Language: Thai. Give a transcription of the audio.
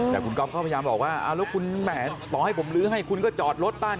แต่พี่ก็พยายามบอกว่าตอนให้ผมลื้อให้คุณก็จอดรถปั้น